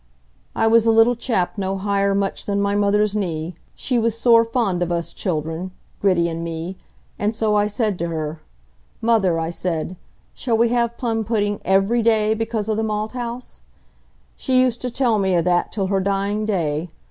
"I was a little chap no higher much than my mother's knee,—she was sore fond of us children, Gritty and me,—and so I said to her, 'Mother,' I said, 'shall we have plum pudding every day because o' the malt house? She used to tell me o' that till her dying day.